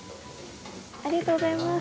ありがとうございます。